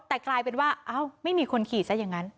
แต่กลายเป็นว่าไม่มีคนขี่ซะอย่างนั้น